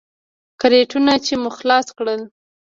کرېټونه چې مو خلاص کړل.